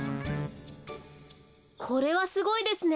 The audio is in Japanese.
これはすごいですね。